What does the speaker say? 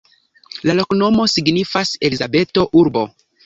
La loknomo signifas: Elizabeto-urbo.